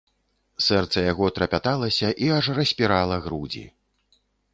Сэрца яго трапяталася і аж распірала грудзі.